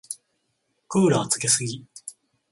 クーラーつけすぎ。